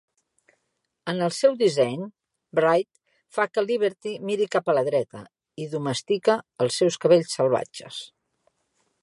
En el seu disseny, Wright fa que Liberty miri cap a la dreta i "domestica" els seus cabells salvatges.